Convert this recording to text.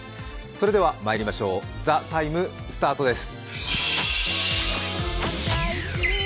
それではまいりましょう「ＴＨＥＴＩＭＥ，」スタートです。